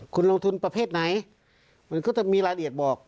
คุณลงทุนประเภทไหนมันก็จะมีรายละเอียดบอก